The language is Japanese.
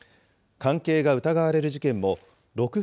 関係が疑われる事件も６府